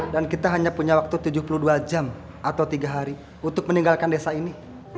dan kita hanya punya waktu tujuh puluh dua jam atau tiga hari untuk meninggalkan desa ini